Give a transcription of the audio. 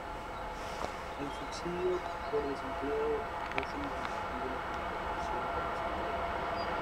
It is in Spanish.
El subsidio por desempleo es incompatible con la prestación por desempleo.